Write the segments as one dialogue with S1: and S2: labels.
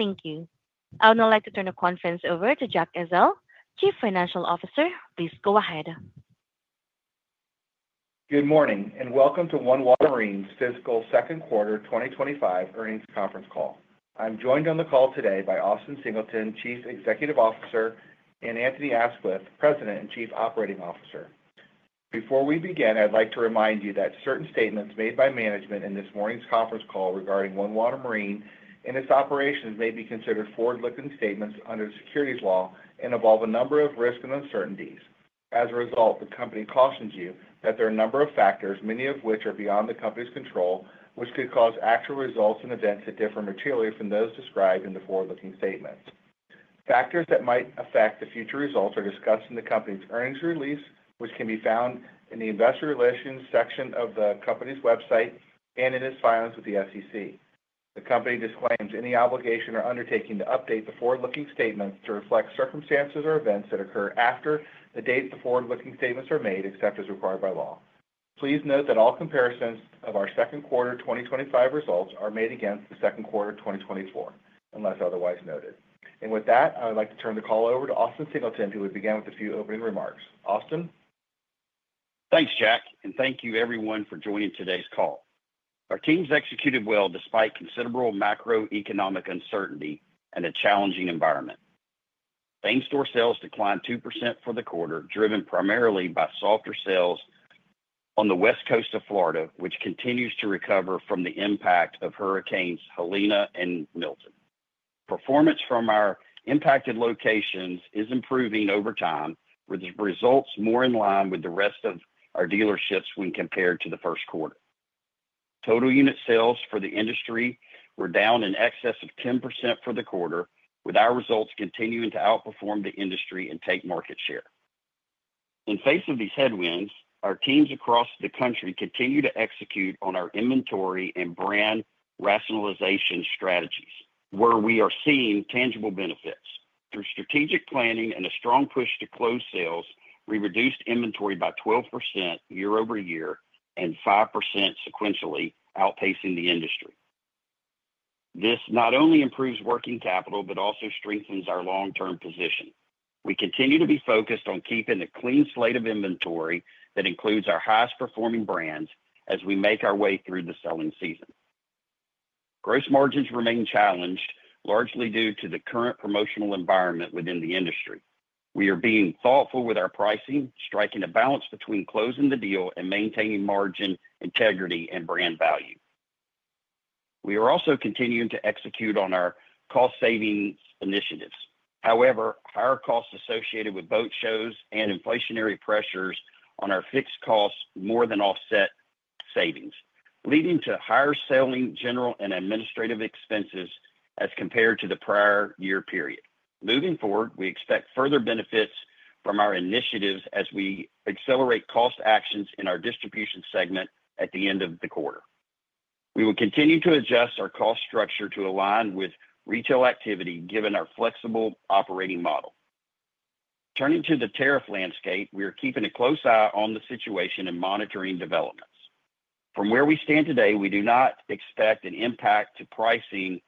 S1: Thank you. I would now like to turn the conference over to Jack Ezzell, Chief Financial Officer. Please go ahead.
S2: Good morning, and welcome to OneWater Marine's Fiscal Q2 2025 earnings conference call. I'm joined on the call today by Austin Singleton, Chief Executive Officer, and Anthony Aisquith, President and Chief Operating Officer. Before we begin, I'd like to remind you that certain statements made by management in this morning's conference call regarding OneWater Marine and its operations may be considered forward-looking statements under the Securities Law and involve a number of risks and uncertainties. As a result, the company cautions you that there are a number of factors, many of which are beyond the company's control, which could cause actual results and events that differ materially from those described in the forward-looking statements. Factors that might affect the future results are discussed in the company's earnings release, which can be found in the Investor Relations section of the company's website and in its filings with the SEC. The company disclaims any obligation or undertaking to update the forward-looking statements to reflect circumstances or events that occur after the date the forward-looking statements are made, except as required by law. Please note that all comparisons of our Q2 2025 results are made against the Q2 2024, unless otherwise noted. With that, I would like to turn the call over to Austin Singleton, who will begin with a few opening remarks. Austin?.
S3: Thanks, Jack, and thank you, everyone, for joining today's call. Our teams executed well despite considerable macroeconomic uncertainty and a challenging environment. Same-store sales declined 2% for the quarter, driven primarily by softer sales on the West Coast of Florida, which continues to recover from the impact of Hurricanes Helene and Milton. Performance from our impacted locations is improving over time, with results more in line with the rest of our dealerships when compared to the first quarter. Total unit sales for the industry were down in excess of 10% for the quarter, with our results continuing to outperform the industry and take market share. In face of these headwinds, our teams across the country continue to execute on our inventory and brand rationalization strategies, where we are seeing tangible benefits. Through strategic planning and a strong push to close sales, we reduced inventory by 12% year-over-year and 5% sequentially, outpacing the industry. This not only improves working capital but also strengthens our long-term position. We continue to be focused on keeping a clean slate of inventory that includes our highest-performing brands as we make our way through the selling season. Gross margins remain challenged, largely due to the current promotional environment within the industry. We are being thoughtful with our pricing, striking a balance between closing the deal and maintaining margin integrity and brand value. We are also continuing to execute on our cost-savings initiatives. However, higher costs associated with boat shows and inflationary pressures on our fixed costs more than offset savings, leading to higher selling, general, and administrative expenses as compared to the prior year period. Moving forward, we expect further benefits from our initiatives as we accelerate cost actions in our distribution segment at the end of the quarter. We will continue to adjust our cost structure to align with retail activity, given our flexible operating model. Turning to the tariff landscape, we are keeping a close eye on the situation and monitoring developments. From where we stand today, we do not expect an impact to pricing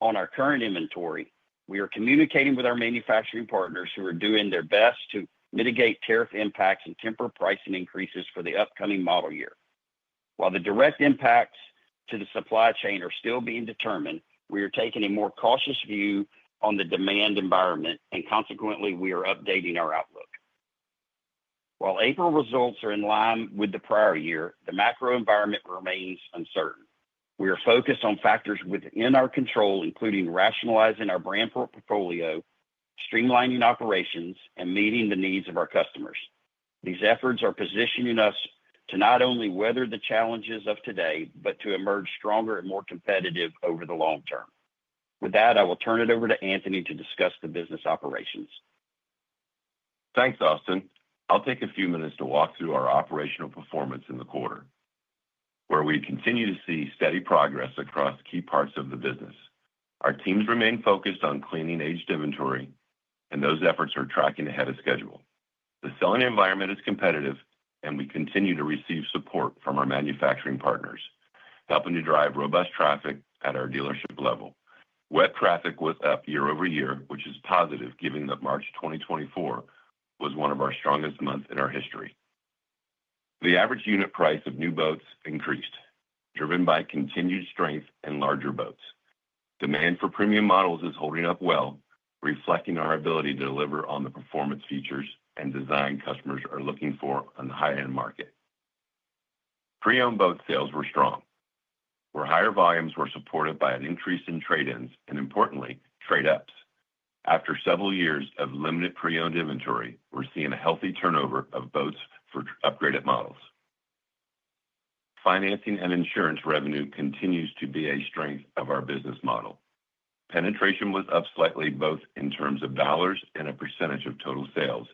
S3: on our current inventory. We are communicating with our manufacturing partners, who are doing their best to mitigate tariff impacts and temper pricing increases for the upcoming model year. While the direct impacts to the supply chain are still being determined, we are taking a more cautious view on the demand environment, and consequently, we are updating our outlook. While April results are in line with the prior year, the macro environment remains uncertain. We are focused on factors within our control, including rationalizing our brand portfolio, streamlining operations, and meeting the needs of our customers. These efforts are positioning us to not only weather the challenges of today but to emerge stronger and more competitive over the long term. With that, I will turn it over to Anthony to discuss the business operations.
S4: Thanks, Austin. I'll take a few minutes to walk through our operational performance in the quarter, where we continue to see steady progress across key parts of the business. Our teams remain focused on cleaning aged inventory, and those efforts are tracking ahead of schedule. The selling environment is competitive, and we continue to receive support from our manufacturing partners, helping to drive robust traffic at our dealership level. Web traffic was up year-over-year, which is positive, given that March 2024 was one of our strongest months in our history. The average unit price of new boats increased, driven by continued strength in larger boats. Demand for premium models is holding up well, reflecting our ability to deliver on the performance features and design customers are looking for on the high-end market. Pre-owned boat sales were strong, where higher volumes were supported by an increase in trade-ins and, importantly, trade-ups. After several years of limited pre-owned inventory, we're seeing a healthy turnover of boats for upgraded models. Financing and insurance revenue continues to be a strength of our business model. Penetration was up slightly, both in terms of dollars and a percentage of total sales,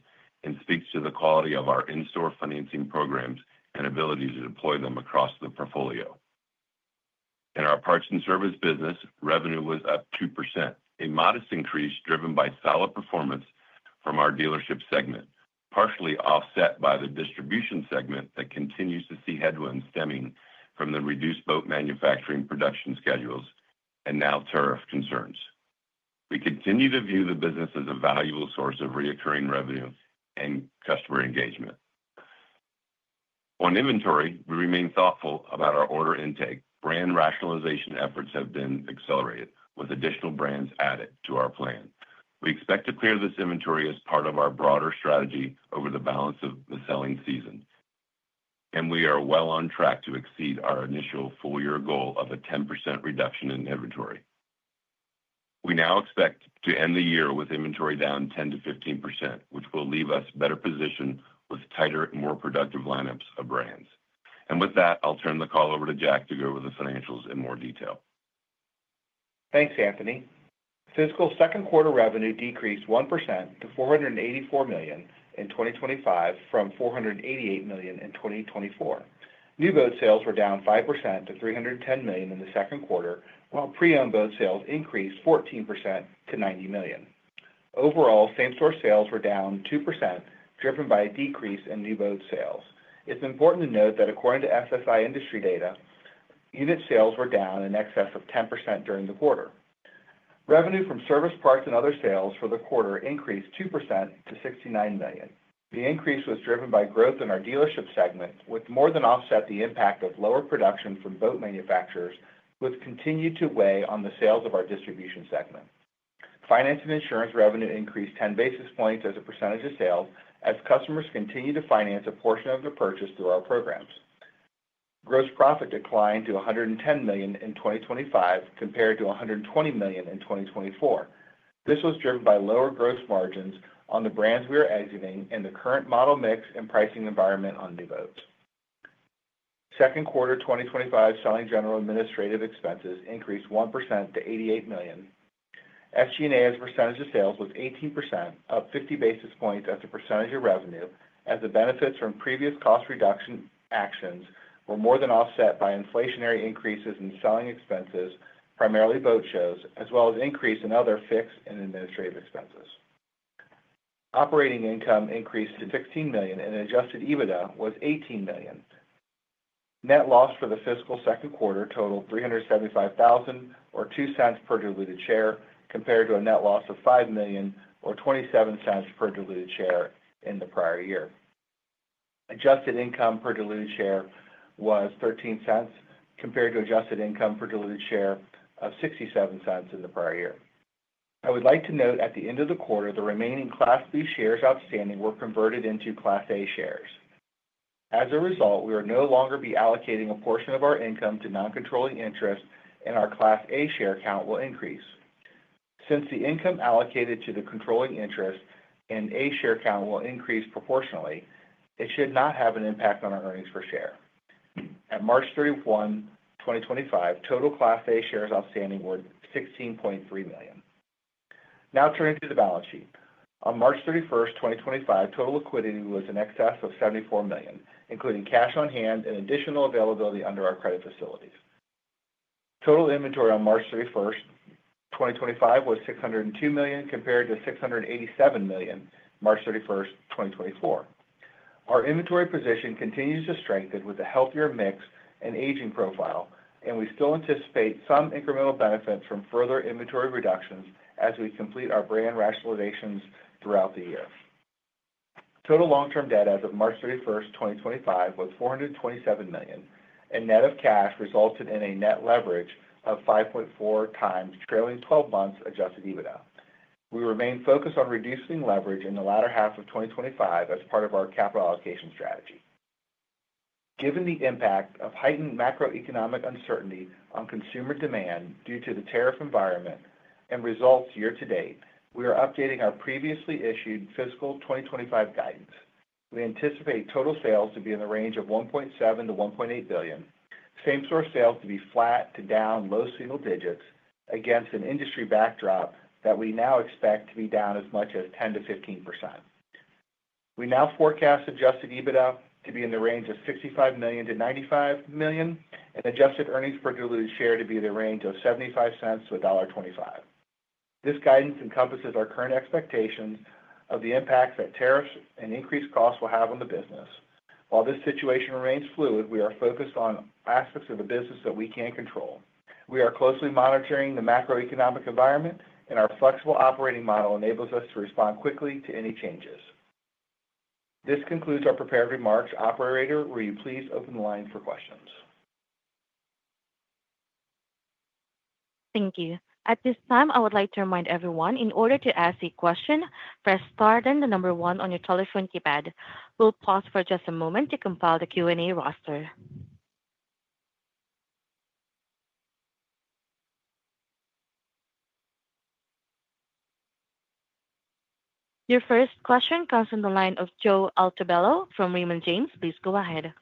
S4: and speaks to the quality of our in-store financing programs and ability to deploy them across the portfolio. In our parts and service business, revenue was up 2%, a modest increase driven by solid performance from our dealership segment, partially offset by the distribution segment that continues to see headwinds stemming from the reduced boat manufacturing production schedules and now tariff concerns. We continue to view the business as a valuable source of recurring revenue and customer engagement. On inventory, we remain thoughtful about our order intake. Brand rationalization efforts have been accelerated, with additional brands added to our plan. We expect to clear this inventory as part of our broader strategy over the balance of the selling season, and we are well on track to exceed our initial full-year goal of a 10% reduction in inventory. We now expect to end the year with inventory down 10-15%, which will leave us better positioned with tighter and more productive lineups of brands. With that, I'll turn the call over to Jack to go over the financials in more detail.
S2: Thanks, Anthony. Fiscal Q2 revenue decreased 1% to $484 million in 2025 from $488 million in 2024. New boat sales were down 5% to $310 million in the Q2, while pre-owned boat sales increased 14% to $90 million. Overall, same-store sales were down 2%, driven by a decrease in new boat sales. It's important to note that, according to SSI industry data, unit sales were down in excess of 10% during the quarter. Revenue from service, parts, and other sales for the quarter increased 2% to $69 million. The increase was driven by growth in our dealership segment, which more than offset the impact of lower production from boat manufacturers, which continued to weigh on the sales of our distribution segment. Finance and insurance revenue increased 10 basis points as a percentage of sales, as customers continue to finance a portion of their purchase through our programs. Gross profit declined to $110 million in 2025, compared to $120 million in 2024. This was driven by lower gross margins on the brands we are exiting and the current model mix and pricing environment on new boats. Q2 2025 selling, general, and administrative expenses increased 1% to $88 million. SG&A's percentage of sales was 18%, up 50 basis points as a percentage of revenue, as the benefits from previous cost reduction actions were more than offset by inflationary increases in selling expenses, primarily boat shows, as well as an increase in other fixed and administrative expenses. Operating income increased to $16 million, and adjusted EBITDA was $18 million. Net loss for the fiscal Q2 totaled $375,000, or $0.02 per diluted share, compared to a net loss of $5 million, or $0.27 per diluted share in the prior year. Adjusted income per diluted share was $0.13, compared to adjusted income per diluted share of $0.67 in the prior year. I would like to note, at the end of the quarter, the remaining Class B shares outstanding were converted into Class A shares. As a result, we will no longer be allocating a portion of our income to non-controlling interest, and our Class A share count will increase. Since the income allocated to the controlling interest and A share count will increase proportionally, it should not have an impact on our earnings per share. At March 31, 2025, total Class A shares outstanding were 16.3 million. Now turning to the balance sheet. On March 31, 2025, total liquidity was in excess of $74 million, including cash on hand and additional availability under our credit facilities. Total inventory on March 31, 2025, was $602 million, compared to $687 million March 31, 2024. Our inventory position continues to strengthen with a healthier mix and aging profile, and we still anticipate some incremental benefits from further inventory reductions as we complete our brand rationalizations throughout the year. Total long-term debt as of March 31, 2025, was $427 million, and net of cash resulted in a net leverage of 5.4x times trailing 12 months adjusted EBITDA. We remain focused on reducing leverage in the latter half of 2025 as part of our capital allocation strategy. Given the impact of heightened macroeconomic uncertainty on consumer demand due to the tariff environment and results year to date, we are updating our previously issued fiscal 2025 guidance. We anticipate total sales to be in the range of $1.7 billion-$1.8 billion, same-store sales to be flat to down low single digits against an industry backdrop that we now expect to be down as much as 10%-15%. We now forecast adjusted EBITDA to be in the range of $65 million-$95 million and adjusted earnings per diluted share to be in the range of $0.75-$1.25. This guidance encompasses our current expectations of the impact that tariffs and increased costs will have on the business. While this situation remains fluid, we are focused on aspects of the business that we can control. We are closely monitoring the macroeconomic environment, and our flexible operating model enables us to respond quickly to any changes. This concludes our prepared remarks. Operator, will you please open the line for questions?
S1: Thank you. At this time, I would like to remind everyone, in order to ask a question, press star then the number one on your telephone keypad. We'll pause for just a moment to compile the Q&A roster. Your first question comes from the line of Joe Altobello from Raymond James. Please go ahead.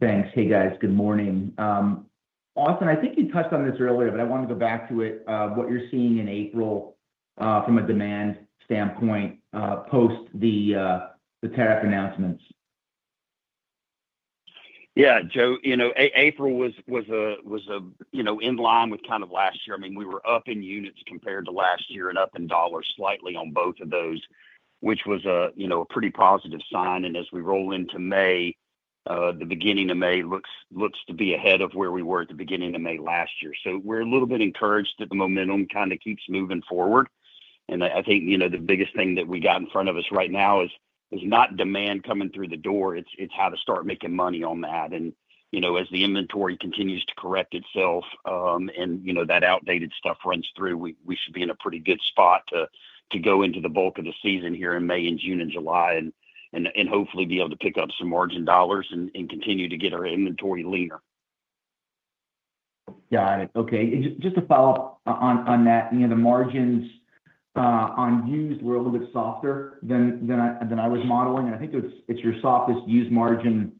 S5: Thanks. Hey, guys. Good morning. Austin, I think you touched on this earlier, but I wanted to go back to it. What you're seeing in April from a demand standpoint post the tariff announcements?.
S3: Yeah, Joe, you know April was in line with kind of last year. I mean, we were up in units compared to last year and up in dollars slightly on both of those, which was a pretty positive sign. As we roll into May, the beginning of May looks to be ahead of where we were at the beginning of May last year. We are a little bit encouraged that the momentum kind of keeps moving forward. I think the biggest thing that we got in front of us right now is not demand coming through the door. It is how to start making money on that. As the inventory continues to correct itself and that outdated stuff runs through, we should be in a pretty good spot to go into the bulk of the season here in May and June and July and hopefully be able to pick up some margin dollars and continue to get our inventory leaner.
S5: Got it. Okay. Just to follow up on that, the margins on used were a little bit softer than I was modeling. I think it's your softest used margin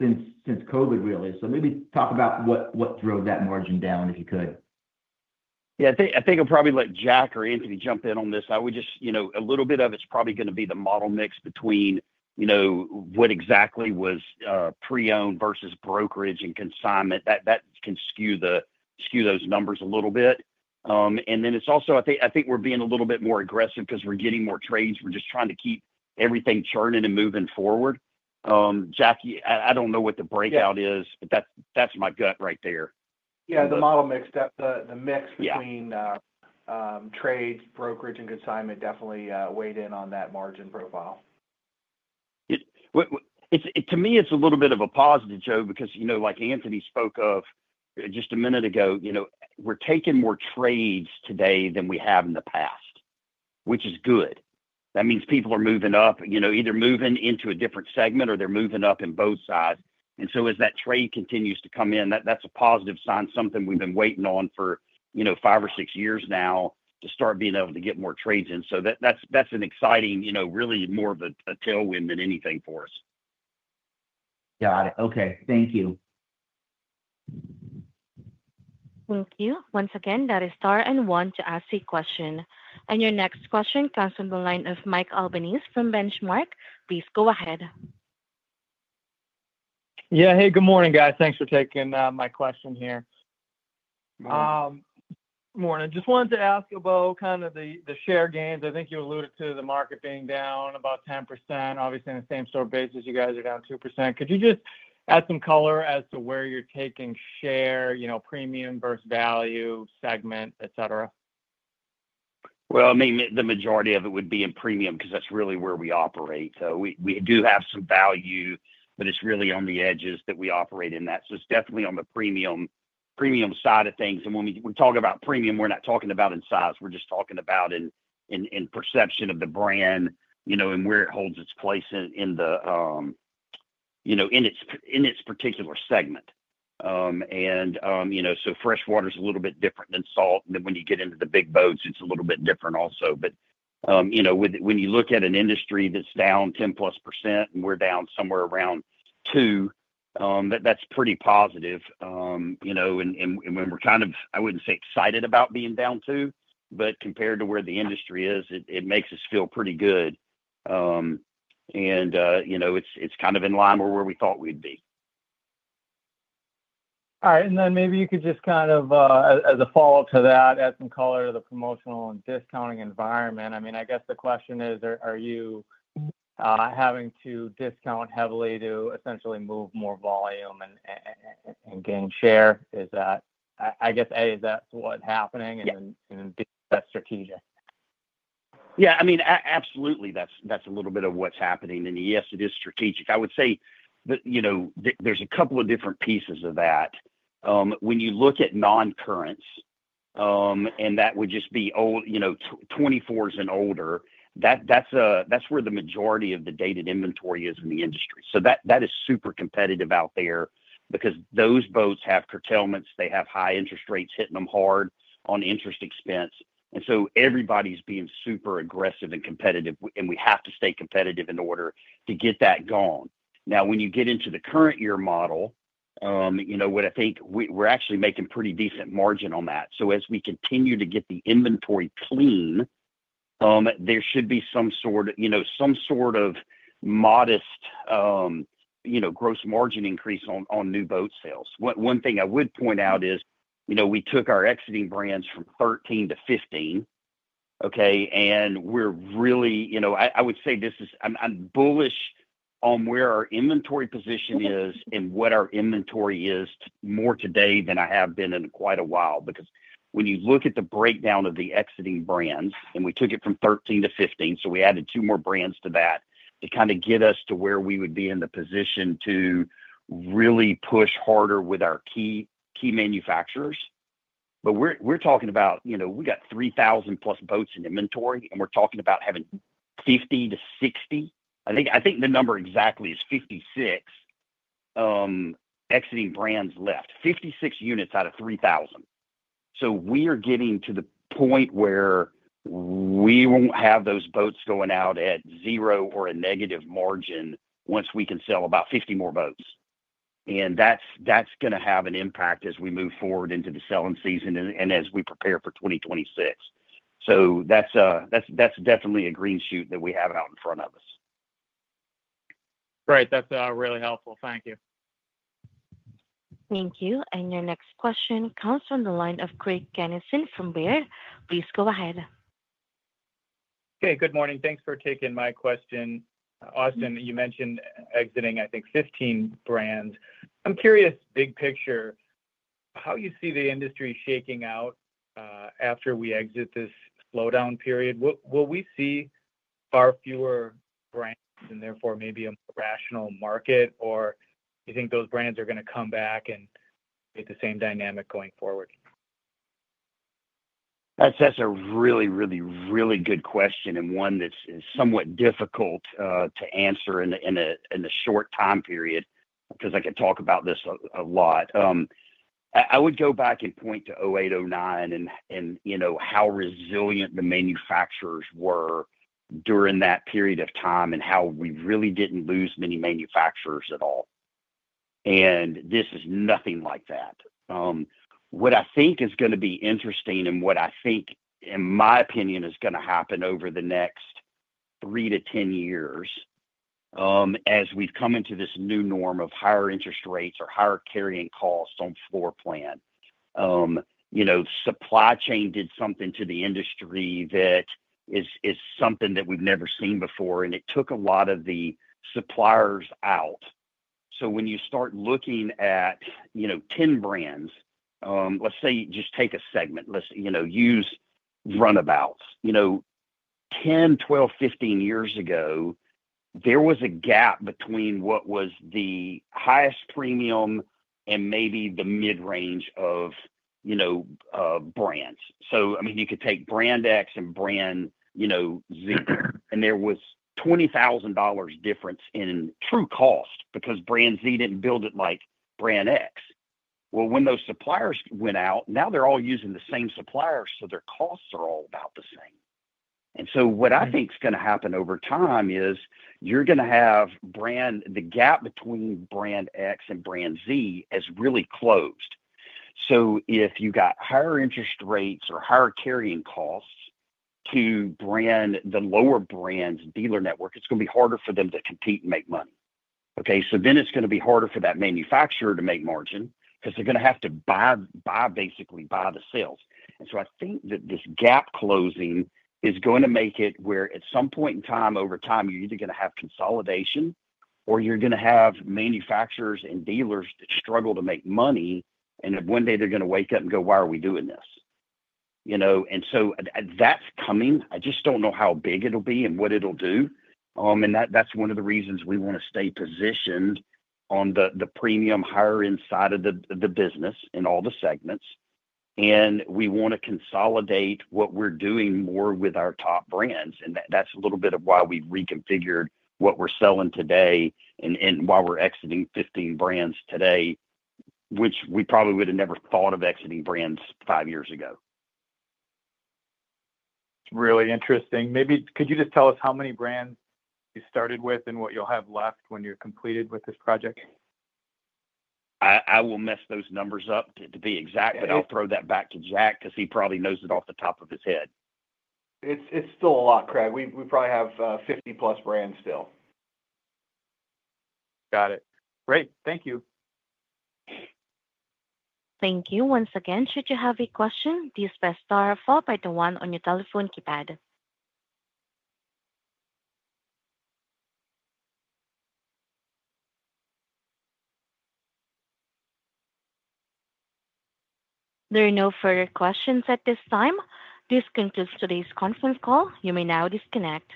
S5: since COVID, really. Maybe talk about what drove that margin down, if you could.
S3: Yeah, I think I'll probably let Jack or Anthony jump in on this. A little bit of it's probably going to be the model mix between what exactly was pre-owned versus brokerage and consignment. That can skew those numbers a little bit. I think we're being a little bit more aggressive because we're getting more trades. We're just trying to keep everything churning and moving forward. Jack, I don't know what the breakout is, but that's my gut right there.
S2: Yeah, the model mix, the mix between trades, brokerage, and consignment definitely weighed in on that margin profile.
S3: To me, it's a little bit of a positive, Joe, because like Anthony spoke of just a minute ago, we're taking more trades today than we have in the past, which is good. That means people are moving up, either moving into a different segment or they're moving up in both sides. As that trade continues to come in, that's a positive sign, something we've been waiting on for five or six years now to start being able to get more trades in. That's an exciting, really more of a tailwind than anything for us.
S5: Got it. Okay. Thank you.
S1: Thank you. Once again, that is star and one to ask a question. Your next question comes from the line of Mike Albanese from Benchmark. Please go ahead.
S6: Yeah. Hey, good morning, guys. Thanks for taking my question here. Morning. Just wanted to ask about kind of the share gains. I think you alluded to the market being down about 10%. Obviously, on the same-store basis, you guys are down 2%. Could you just add some color as to where you're taking share, premium versus value segment, etc.?
S3: I mean, the majority of it would be in premium because that's really where we operate. We do have some value, but it's really on the edges that we operate in that. It is definitely on the premium side of things. And when we talk about premium, we're not talking about in size. We're just talking about in perception of the brand and where it holds its place in its particular segment. Freshwater is a little bit different than salt. When you get into the big boats, it's a little bit different also. When you look at an industry that's down 10% and we're down somewhere around 2%, that's pretty positive. We're kind of, I wouldn't say excited about being down 2%, but compared to where the industry is, it makes us feel pretty good. It's kind of in line with where we thought we'd be.
S6: All right. Maybe you could just kind of, as a follow-up to that, add some color to the promotional and discounting environment. I mean, I guess the question is, are you having to discount heavily to essentially move more volume and gain share? I guess, A, is that what's happening and B, is that strategic?
S3: Yeah. I mean, absolutely, that's a little bit of what's happening. Yes, it is strategic. I would say there's a couple of different pieces of that. When you look at non-currents, and that would just be 24s and older, that's where the majority of the dated inventory is in the industry. That is super competitive out there because those boats have curtailments. They have high interest rates hitting them hard on interest expense. Everybody's being super aggressive and competitive, and we have to stay competitive in order to get that gone. Now, when you get into the current year model, I think we're actually making pretty decent margin on that. As we continue to get the inventory clean, there should be some sort of modest gross margin increase on new boat sales. One thing I would point out is we took our exiting brands from 13 to 15, okay, and we're really, I would say this is, I'm bullish on where our inventory position is and what our inventory is more today than I have been in quite a while because when you look at the breakdown of the exiting brands, and we took it from 13 to 15, so we added two more brands to that to kind of get us to where we would be in the position to really push harder with our key manufacturers. We're talking about we got 3,000-plus boats in inventory, and we're talking about having 50-60. I think the number exactly is 56 exiting brands left, 56 units out of 3,000. We are getting to the point where we won't have those boats going out at zero or a negative margin once we can sell about 50 more boats. That's going to have an impact as we move forward into the selling season and as we prepare for 2026. That's definitely a green shoot that we have out in front of us.
S6: Great. That's really helpful. Thank you.
S1: Thank you. Your next question comes from the line of Craig Kennison from Baird. Please go ahead.
S7: Hey, good morning. Thanks for taking my question. Austin, you mentioned exiting, I think, 15 brands. I'm curious, big picture, how you see the industry shaking out after we exit this slowdown period. Will we see far fewer brands and therefore maybe a more rational market, or do you think those brands are going to come back and create the same dynamic going forward?
S3: That's a really, really good question and one that is somewhat difficult to answer in a short time period because I could talk about this a lot. I would go back and point to 2008, 2009 and how resilient the manufacturers were during that period of time and how we really didn't lose many manufacturers at all. This is nothing like that. What I think is going to be interesting and what I think, in my opinion, is going to happen over the next 3-10 years as we've come into this new norm of higher interest rates or higher carrying costs on floor plan. Supply chain did something to the industry that is something that we've never seen before, and it took a lot of the suppliers out. When you start looking at 10 brands, let's say just take a segment, use runabouts. Ten, twelve, fifteen years ago, there was a gap between what was the highest premium and maybe the mid-range of brands. I mean, you could take brand X and brand Z, and there was $20,000 difference in true cost because brand Z did not build it like brand X. When those suppliers went out, now they are all using the same suppliers, so their costs are all about the same. What I think is going to happen over time is you are going to have the gap between brand X and brand Z really closed. If you have higher interest rates or higher carrying costs to brand the lower brand's dealer network, it is going to be harder for them to compete and make money. Okay? It is going to be harder for that manufacturer to make margin because they are going to have to basically buy the sales. I think that this gap closing is going to make it where at some point in time, over time, you are either going to have consolidation or you are going to have manufacturers and dealers that struggle to make money, and one day they are going to wake up and go, "Why are we doing this?" That is coming. I just do not know how big it will be and what it will do. That is one of the reasons we want to stay positioned on the premium higher-end side of the business in all the segments. We want to consolidate what we are doing more with our top brands. That is a little bit of why we reconfigured what we are selling today and why we are exiting 15 brands today, which we probably would have never thought of exiting brands five years ago.
S7: It's really interesting. Maybe could you just tell us how many brands you started with and what you'll have left when you're completed with this project?
S3: I will mess those numbers up to be exact, but I'll throw that back to Jack because he probably knows it off the top of his head.
S2: It's still a lot, Craig. We probably have 50-plus brands still.
S7: Got it. Great. Thank you.
S1: Thank you. Once again, should you have a question, please press star or follow up by the one on your telephone keypad. There are no further questions at this time. This concludes today's conference call. You may now disconnect.